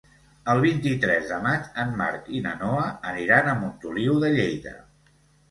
El vint-i-tres de maig en Marc i na Noa aniran a Montoliu de Lleida.